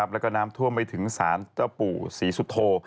แล้วก็น้ำท่วมไปถึงศาลเจ้าปู่ศรีสุโธ